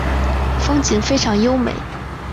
风景非常优美。